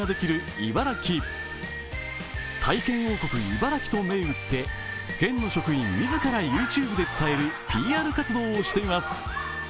いばらきと銘打って県の職員自らＹｏｕＴｕｂｅで伝えるＰＲ活動をしています。